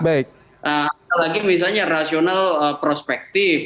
apalagi misalnya rasional prospektif